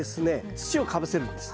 土をかぶせるんです。